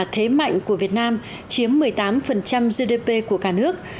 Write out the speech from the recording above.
thế mạnh của việt nam chiếm một mươi tám gdp của cả nước